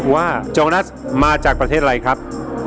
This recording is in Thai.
โจัสมาจากประเทศอะไรครับ